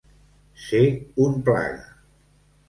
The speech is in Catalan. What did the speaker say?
Ser un plaga.